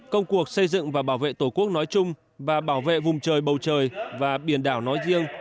công cuộc xây dựng và bảo vệ tổ quốc nói chung và bảo vệ vùng trời bầu trời và biển đảo nói riêng